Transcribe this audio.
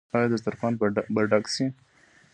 آیا دسترخان به ډک شي؟